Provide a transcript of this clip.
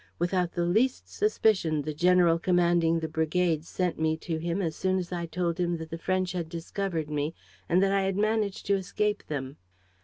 Without the least suspicion, the general commanding the brigade sent me to him as soon as I told him that the French had discovered me and that I had managed to escape them."